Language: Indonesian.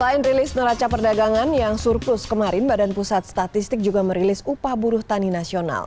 selain rilis neraca perdagangan yang surplus kemarin badan pusat statistik juga merilis upah buruh tani nasional